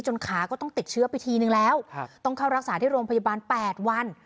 ขาก็ต้องติดเชื้อไปทีนึงแล้วต้องเข้ารักษาที่โรงพยาบาล๘วัน